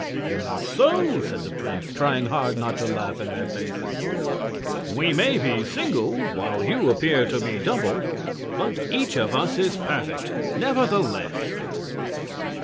"Not so," said the prince, trying hard not to laugh in their faces. "We may be single, while you appear to be double; but each of us is perfect, nevertheless."